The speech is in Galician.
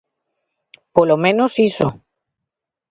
Polo menos iso.